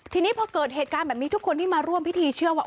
ทีนี้พอเกิดเหตุการณ์แบบนี้ทุกคนที่มาร่วมพิธีเชื่อว่า